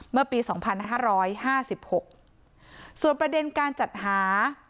เมื่อปีสองพันห้าร้อยห้าสิบหกส่วนประเด็นการจัดหา